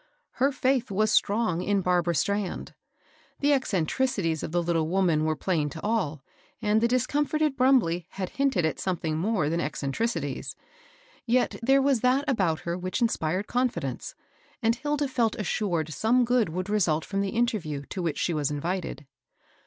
Her fidth was strong in Barbara Strand. The eccentricities of the little woman were plain to all, and the discomfited Brumbley had hinted at something more than eccentricities ; yet there waa that about her which inspired confidence, and Hil<* da Mi assured some good would result firom the interview to which she was invited.